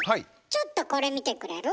ちょっとこれ見てくれる？